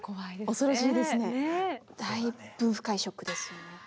だいぶ深いショックですよね。